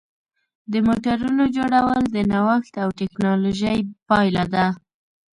د موټرونو جوړول د نوښت او ټېکنالوژۍ پایله ده.